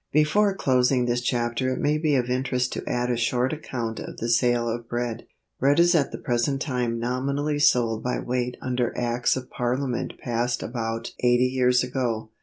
Before closing this chapter it may be of interest to add a short account of the sale of bread. Bread is at the present time nominally sold by weight under acts of Parliament passed about 80 years ago.